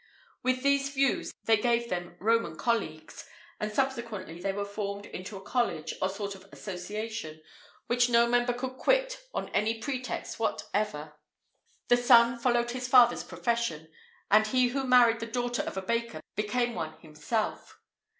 With these views, they gave them Roman colleagues, and subsequently they were formed into a college, or sort of association, which no member could quit on any pretext whatever. The son followed his father's profession, and he who married the daughter of a baker became one himself.